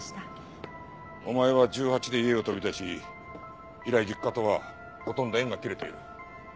お前は１８で家を飛び出し以来実家とはほとんど縁が切れている。